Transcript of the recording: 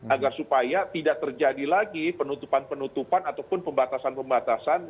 agar supaya tidak terjadi lagi penutupan penutupan ataupun pembatasan pembatasan